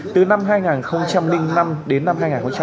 từ năm hai nghìn năm đến năm hai nghìn một mươi ba